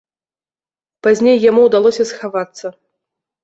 Пазней яму ўдалося схавацца.